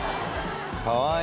かわいい。